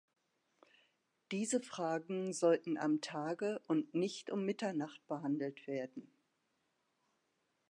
Diese Fragen sollten am Tage und nicht um Mitternacht behandelt werden.